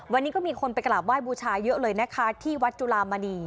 วันนี้ก็มีคนไปกราบไห้บูชาเยอะเลยนะคะที่วัดจุลามณี